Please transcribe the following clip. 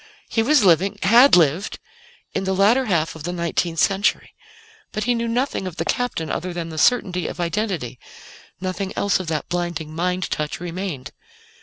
He was living had lived in the latter half of the nineteenth century. But he knew nothing of the Captain other than the certainty of identity; nothing else of that blinding mind touch remained.